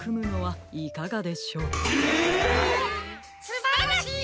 すばらしい！